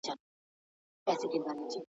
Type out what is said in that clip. ایا د انلاین غونډو لپاره وخت ټاکل کیږي؟